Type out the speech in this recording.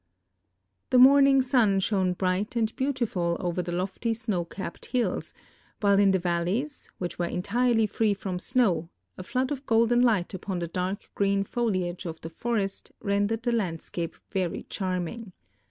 The morning sun shone bright and beautiful over the lofty sn(;w cap|»e<l hills, while in the valleys, which were entirely free from snow, a flood of golden light upon the dark green foliage of the forest rendered the landscape very charming.